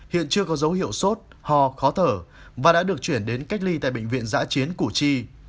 hiện chưa có dấu hiệu sốt ho khó thở và đã được chuyển đến cách ly tại bệnh viện giã chiến củ chi